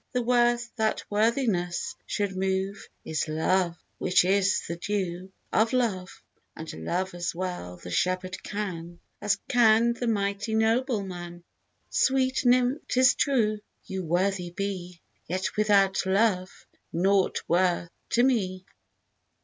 The worth that worthiness should move Is love, which is the due of love; And love as well the shepherd can As can the mighty nobleman: Sweet nymph, 'tis true, you worthy be; Yet, without love, nought worth to me.